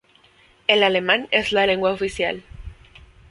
El alemán es la lengua oficial.